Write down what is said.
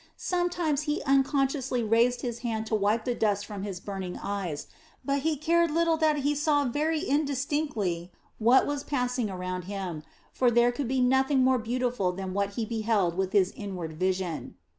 Sometimes he unconsciously raised his hand to wipe the dust from his burning eyes, but he cared little that he saw very indistinctly what was passing around him, for there could be nothing more beautiful than what he beheld with his inward vision.